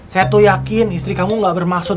saya tuh yakin istri kamu gak bermaksud